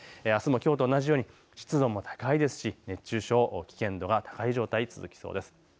あすもきょうと同じように湿度も高いので熱中症、危険度が高い状態が続きそうです。